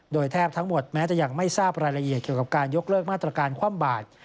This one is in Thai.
โดยแทบทั้งหมดแม้จะยังไม่ทราบรายละเอียดเกี่ยวกับการยกเลิกมาตรการคว่ำบาด